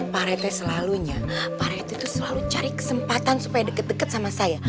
pak rete selalunya pak rete tuh selalu cari kesempatan supaya deket deket sama saya